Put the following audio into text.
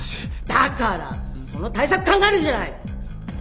だからその対策考えるんじゃない！